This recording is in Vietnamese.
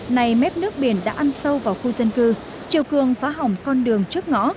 này mép nước biển đã ăn sâu vào khu dân cư chiều cường phá hỏng con đường trước ngõ